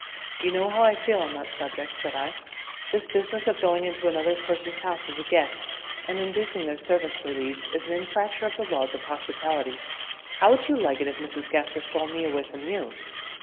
"You know how I feel on that subject," said I. "This business of going into another person's house as a guest and inducing their servants to leave is an infraction of the laws of hospitality. How would you like it if Mrs. Gaster stole me away from you?"